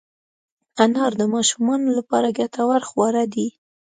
انار د ماشومانو لپاره ګټور خواړه دي.